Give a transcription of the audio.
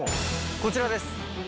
こちらです